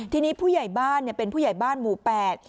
ทีนี้ผู้ใหญ่บ้านเนี่ยเป็นผู้ใหญ่บ้านหมู่แปด